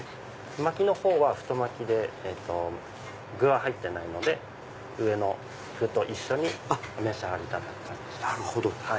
巻きのほうは太巻きで具は入ってないので上の具と一緒にお召し上がりいただく感じです。